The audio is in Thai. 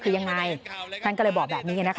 คือยังไงท่านก็เลยบอกแบบนี้นะคะ